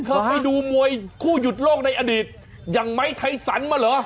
ไปดูมวยคู่หยุดโลกในอดีตอย่างไม้ไทสันมาเหรอ